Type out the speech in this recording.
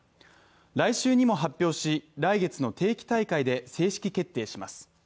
来週にも発表し、来月の定期大会で正式決定します。